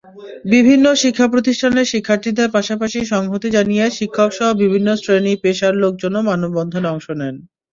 বিভিন্ন শিক্ষাপ্রতিষ্ঠানের শিক্ষার্থীদের পাশাপাশি সংহতি জানিয়ে শিক্ষকসহ বিভিন্ন শ্রেণি-পেশার লোকজনও মানববন্ধনে অংশ নেন।